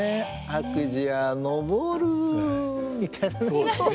「悪事はのぼる」みたいなね。